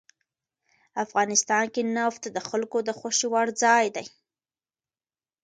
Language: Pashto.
افغانستان کې نفت د خلکو د خوښې وړ ځای دی.